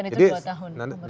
dan itu dua tahun